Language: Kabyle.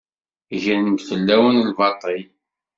Gren-d fell-awen lbaṭel.